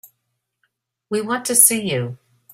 We want to see you.